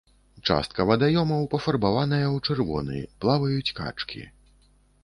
Частка вадаёмаў пафарбаваная ў чырвоны, плаваюць качкі.